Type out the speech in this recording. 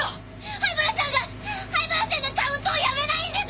灰原さんが灰原さんがカウントをやめないんです！